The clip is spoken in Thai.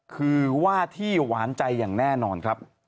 คือว่าที่หวานใจอย่างแน่นอนครับ